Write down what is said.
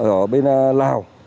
ở bên lào